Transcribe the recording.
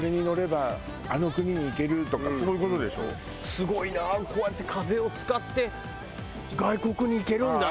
すごいなこうやって風を使って外国に行けるんだなとか。